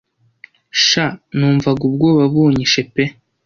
sha numvaga ubwoba bunyinshe pe